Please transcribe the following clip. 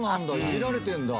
いじられてんだ」